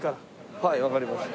はいわかりました。